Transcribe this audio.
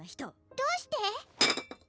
どうして？